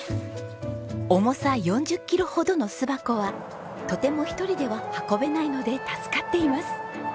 重さ４０キロほどの巣箱はとても一人では運べないので助かっています。